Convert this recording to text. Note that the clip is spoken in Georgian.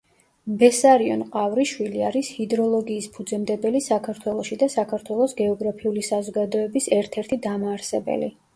ბესარიონ ყავრიშვილი არის ჰიდროლოგიის ფუძემდებელი საქართველოში და საქართველოს გეოგრაფიული საზოგადოების ერთ-ერთი დამაარსებელი.